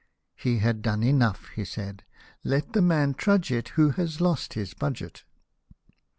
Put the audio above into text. " He had done enough," he said ;" let the man trudge it who has lost his budget